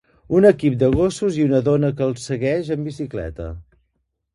Un equip de gossos i una dona que els segueix amb bicicleta.